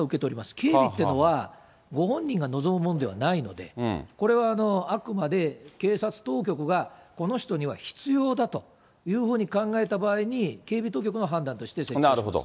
警備っていうのは、ご本人が望むものではないので、これはあくまで警察当局が、この人には必要だというふうに考えた場合に、警備当局の判断として設置をします。